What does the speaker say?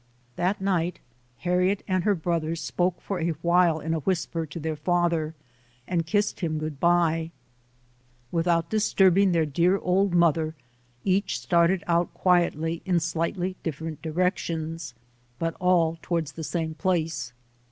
That night Harriet and her brothers spoke for a while in a whisper to their father and kissed him HARRIET TUBMAN [ 93 good bye. Without disturbing their dear old mother, each started out quietly in slightly dif ferent directions, but all towards the same place.